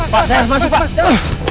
pak saya harus masuk pak